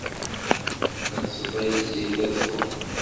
Ad d-tḍil tziri ad truḥ.